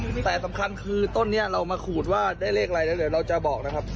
แต่สำคัญคือต้นนี้เรามาขูดว่าได้เลขอะไรแล้วเดี๋ยวเราจะบอกนะครับ